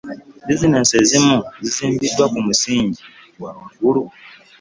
bizineesi ezimu zizimbiddwa ku musingi ogwa waggulu